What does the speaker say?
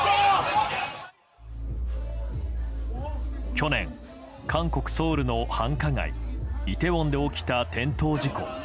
去年、韓国ソウルの繁華街イテウォンで起きた転倒事故。